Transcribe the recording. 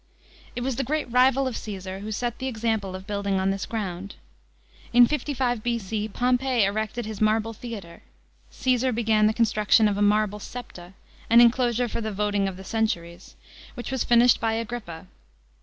It was the great rival of Caesar who set the example of building on this ground. In 55 B.C. Pompey erected his " Marble Theatre." Caesar began the construction of marble Saspta — an enclosure for the voting of the centuries — which was finished by Agrippa.